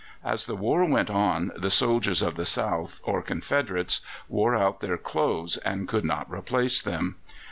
As the war went on the soldiers of the South, or Confederates, wore out their clothes, and could not replace them.